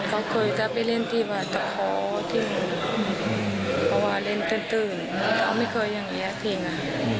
เขาเคยก็ไปเล่นที่บาตะคอที่อืมเพราะว่าเล่นตื่นตื่นเขาไม่เคยอย่างงี้อาทิตย์น่ะ